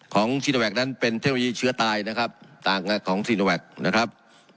ซีโนแวคนั้นเป็นเทคโนโลยีเชื้อตายนะครับต่างของซีโนแวคนะครับ